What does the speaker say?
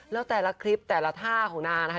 แล้วแต่ละคลิปแต่ละท่าของนางนะคะ